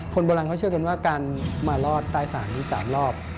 คนโบราณเขาเชื่อกันว่าการมารอดใต้ศาลนี้๓รอบ